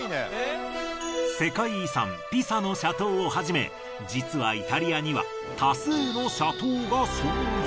世界遺産ピサの斜塔をはじめ実はイタリアには多数の斜塔が存在。